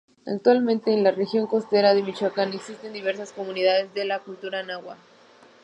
Actualmente en la región costera de Michoacán existen diversas comunidades de la cultura nahua.